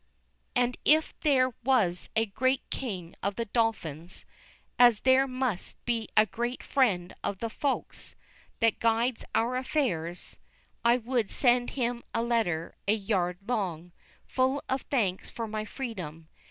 And if there was a great king of the Dolphins, as there must be a great Friend of the Folks, that guides our affairs, I would send him a letter a yard long, full of thanks for my freedom.